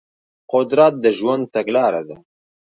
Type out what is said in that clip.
قدرت د ژوند تګلاره ده.